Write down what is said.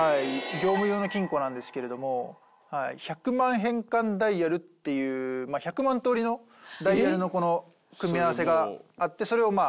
業務用の金庫なんですけれども１００万変換ダイヤルっていう１００万通りのダイヤルのこの組み合わせがあってそれをまあ。